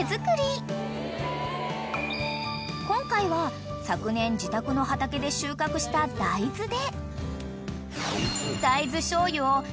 ［今回は昨年自宅の畑で収穫した大豆で］